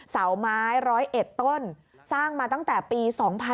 เสาไม้ร้อยเอ็ดต้นสร้างมาตั้งแต่ปี๒๔๗๐